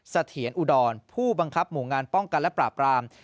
เสถียรอุดรผู้บังคับหมู่งานป้องกันและปราบราม